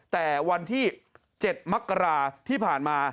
แต่วันที่เจ็ดมักกระที่ผ่านมา